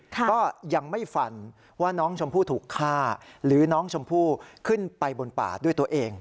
ก็ยังไม่ฟันว่าน้องชมพู่ถูกฆ่าหรือน้องชมพู่ขึ้นไปบนป่าด้วยตัวเอง